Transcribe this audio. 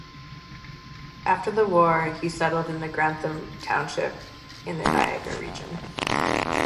After the war, he settled in Grantham Township in the Niagara region.